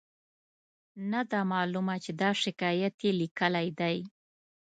نه ده معلومه چې دا شکایت یې لیکلی دی.